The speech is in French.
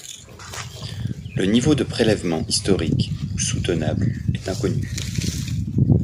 Le niveau de prélèvement historique ou soutenable est inconnu.